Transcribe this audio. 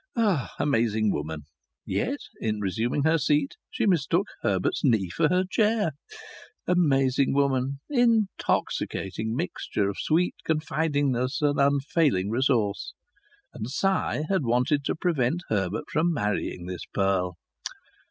Amazing woman! Yet in resuming her seat she mistook Herbert's knee for her chair. Amazing woman! Intoxicating mixture of sweet confidingness and unfailing resource. And Si had wanted to prevent Herbert from marrying this pearl!